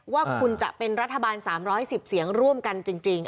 ว่าคุณจะเป็นรัฐบาล๓๑๐เสียงร่วมกันจริง